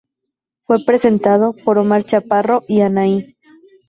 Fue presentado por Omar Chaparro y Anahí.